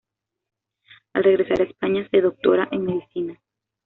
Al regresar a España se doctora en Medicina.